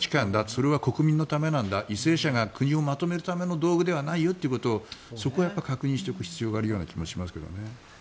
それは国民のためなんだ為政者が国をまとめるための道具じゃないよというのはそこを確認していく必要がある気がしますね。